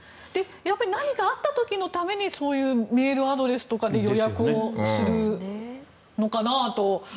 何かあった時のためにメールアドレスとかで予約をするのかなと思うんですが。